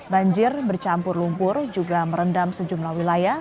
banjir bercampur lumpur juga merendam sejumlah wilayah